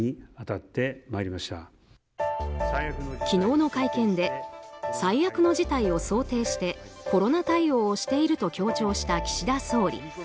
昨日の会見で最悪の事態を想定してコロナ対応をしていると強調した岸田総理。